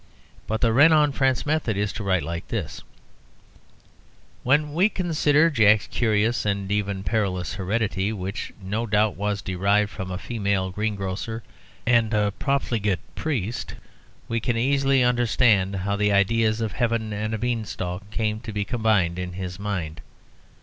But the Renan France method is to write like this: "When we consider Jack's curious and even perilous heredity, which no doubt was derived from a female greengrocer and a profligate priest, we can easily understand how the ideas of heaven and a beanstalk came to be combined in his mind.